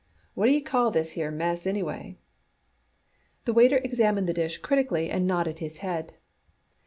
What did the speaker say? "What d'ye call this here mess anyway?" The waiter examined the dish critically and nodded his head.